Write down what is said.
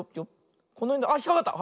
このへんであっひっかかった！